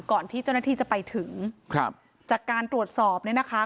ก่อนที่เจ้าหน้าที่จะไปถึงครับจากการตรวจสอบเนี่ยนะคะ